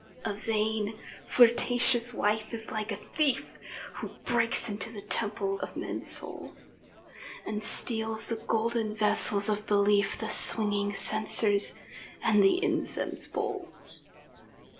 A vain, flirtatious wife is like a thief Who breaks into the temple of men's souls, And steals the golden vessels of belief, The swinging censers, and the incense bowls.